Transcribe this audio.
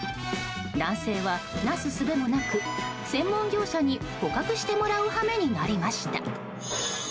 男性は、なすすべもなく専門業者に捕獲してもらう羽目になりました。